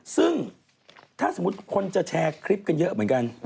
ซึ่งถ้าสมมุติคนจะแชร์คลิปกันเยอะเหมือนกัน